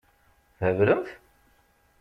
Theblemt?